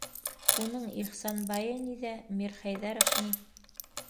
Уның Ихсанбайы ни ҙә, Мирхәйҙәровы ни.